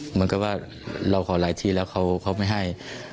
เหมือนกับว่าเราขอหลายที่แล้วเขาไม่ให้